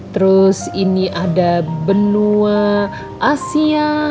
terus ini ada benua asia